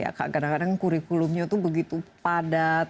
ya kadang kadang kurikulumnya itu begitu padat